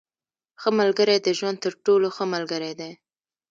• ښه ملګری د ژوند تر ټولو ښه ملګری دی.